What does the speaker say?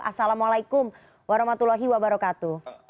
assalamualaikum warahmatullahi wabarakatuh